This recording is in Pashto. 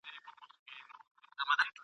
دوی به د ټولني په ابادۍ کي برخه اخلي.